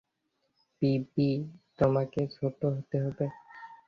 PB, তোমাকে ছোটো হতে হবে।